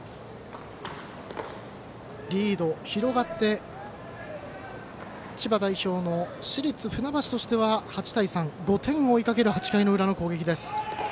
リード広がって千葉代表の市立船橋としては８対３、５点を追いかける８回の裏の攻撃です。